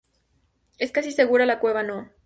Es casi seguro la cueva No.